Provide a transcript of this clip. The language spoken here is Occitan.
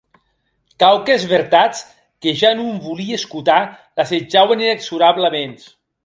Quauques vertats, que non volie escotar, l’assetjauen inexorablaments.